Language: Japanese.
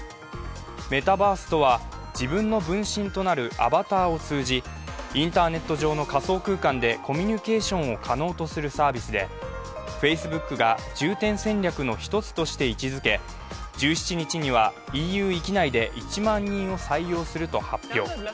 メタバースとは自分の分身となるアバターを通じ、インターネット上の仮想空間でコミュニケーションを可能とするサービスでＦａｃｅｂｏｏｋが重点戦略の一つとして位置づけ１７日にはＥＵ域内で１万人を採用すると発表。